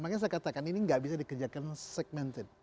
makanya saya katakan ini nggak bisa dikerjakan segmented